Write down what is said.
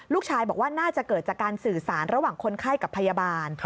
ลูกชายบอกว่าน่าจะเกิดจากการสื่อสารระหว่างคนไข้กับพยาบาล